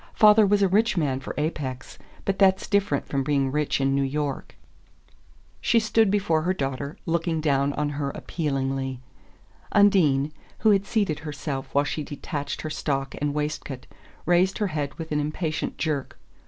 Father was a rich man for Apex, but that's different from being rich in New York." She stood before her daughter, looking down on her appealingly. Undine, who had seated herself while she detached her stock and waistcoat, raised her head with an impatient jerk.